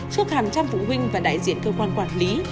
trước hàng trăm phụ huynh và đại diện cơ quan quản lý